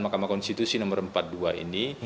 mahkamah konstitusi nomor empat puluh dua ini